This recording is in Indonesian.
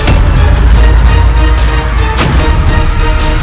ini adalah kekuatan raih mahesha